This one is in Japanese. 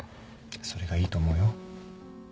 それがいいと思うよ。